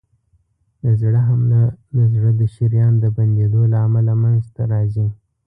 د زړه حمله د زړه د شریان د بندېدو له امله منځته راځي.